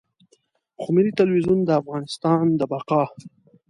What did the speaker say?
خو ملي ټلویزیون د افغانستان د بقا.